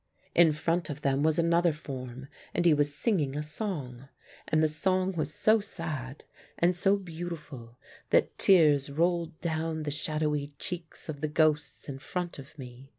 In front of them was another form, and he was singing a song, and the song was so sad and so beautiful that tears rolled down the shadowy cheeks of the ghosts in front of me.